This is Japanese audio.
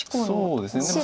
そうですね。